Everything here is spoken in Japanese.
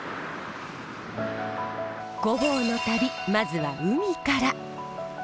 御坊の旅まずは海から。